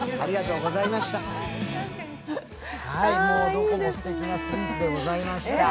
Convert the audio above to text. どこもすてきなスイーツでございました。